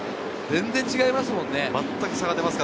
全然違いますものね。